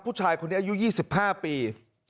ผู้ชายคนนี้อายุ๒๕ปี